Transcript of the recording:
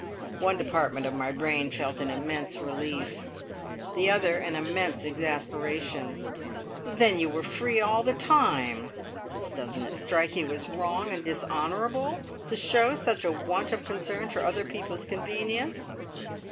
One department of my brain felt an immense relief, the other an immense exasperation. "Then you were free all the time! Doesn't it strike you as wrong and dishonourable to show such a want of concern for other people's convenience?"